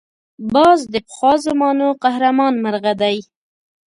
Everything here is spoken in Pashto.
باز د پخوا زمانو قهرمان مرغه دی